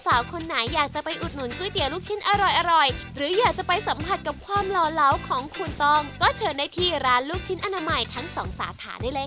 สวัสดีครับผมสวัสดีครับ